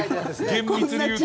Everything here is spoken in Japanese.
厳密に言うと。